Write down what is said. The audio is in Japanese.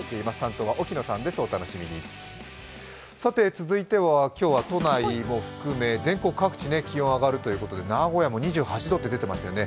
続いては今日は都内も含め全国各地気温が上がるということで名古屋も２８度と出ていましたよね。